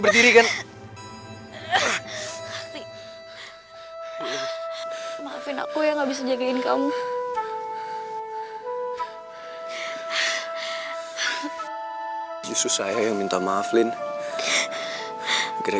terima kasih kau sudah menyelamatkan saya